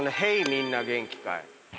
みんな元気かい？』